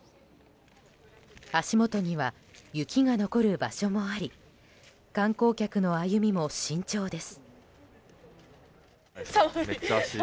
足元には雪が残る場所もあり観光客の歩みも慎重です。